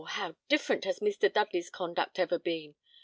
how different has Mr. Dudley's conduct ever been.